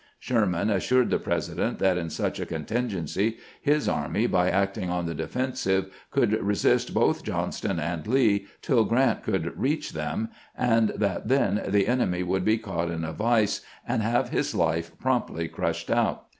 Sherman assured the President that in such a contingency his army, by act ing on the defensive, could resist both Johnston and Lee tin Grant could reach him, and that then the enemy would be caught in a vise and have his life promptly crushed out.